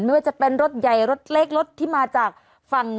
ไม่ว่าจะเป็นรถใหญ่รถเล็กรถที่มาจากฝั่ง